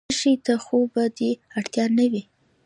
څه شي ته خو به دې اړتیا نه وي؟